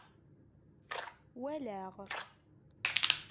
Walaɣ.